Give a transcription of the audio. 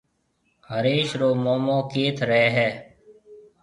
هريش رو مومو ڪيٿ رهيَ هيَ؟